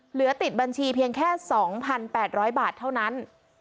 เหลือติดบัญชีเพียงแค่๒๘๐๐บาทเท่านั้น